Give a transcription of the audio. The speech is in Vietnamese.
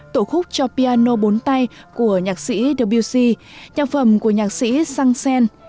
tổ khúc cho piano bốn tay của nhạc sĩ dabc nhạc phẩm của nhạc sĩ sang sen